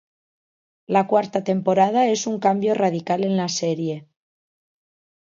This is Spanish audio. La cuarta temporada es un cambio radical en la serie.